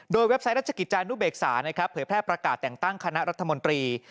โดยเว็บไซต์ราชกิจจานุเบกษานะครับเผยแพร่ประกาศแต่งตั้งคณะรัฐมนตรี